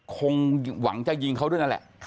คงหวังจะยิงเขาด้วยนั่นแหละ